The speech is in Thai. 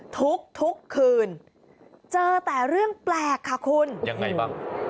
ทุกคืนเจอแต่เรื่องแปลกค่ะคุณยังไงบ้าง